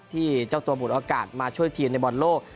เจ้าตัวหมดโอกาสมาช่วยทีมในบอลโลก